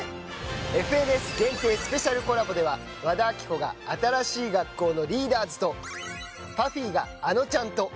ＦＮＳ限定スペシャルコラボでは和田アキ子が新しい学校のリーダーズとＰＵＦＦＹがａｎｏちゃんと。